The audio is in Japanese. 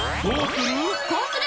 どうする？